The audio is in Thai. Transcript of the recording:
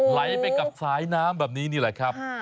ไหลไปกับสายน้ำแบบนี้นี่แหละครับ